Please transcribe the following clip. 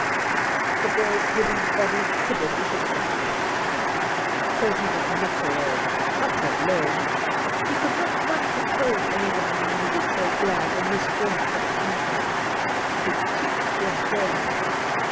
The boy's heavy body quivered with excitement. So he was not alone, not alone. He could not quite have told any one why he was so glad, and this warmth had come to him. His cheeks were burning.